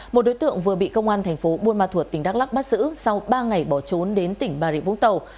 một đối tượng vừa bị công an tp hcm bắt giữ sau ba ngày bỏ trốn đến tỉnh bà rịa vũng tàu